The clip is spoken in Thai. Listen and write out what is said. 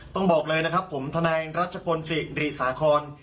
ต้องบอกเลยนะครับผมทนายรัชพลศิริสาคอน